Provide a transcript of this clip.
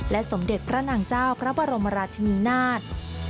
สมเด็จพระนางเจ้าพระบรมราชินีนาฏ